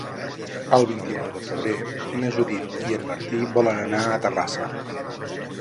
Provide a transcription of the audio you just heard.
El vint-i-nou de febrer na Judit i en Martí volen anar a Terrassa.